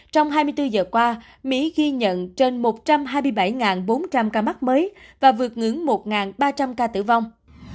trong hai mươi bốn giờ qua mỹ ghi nhận trên một trăm hai mươi bảy bốn trăm linh ca mắc mới và vượt ngưỡng một ba trăm linh ca tử vong